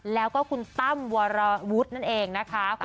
แล้วก็คุณตั้มวรวุฒินั่นเองนะคะ